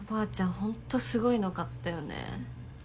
ホントすごいの買ったよね。